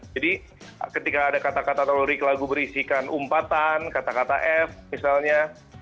jadi ketika ada kata kata lirik lagu berisikan umpatan kata kata f misalnya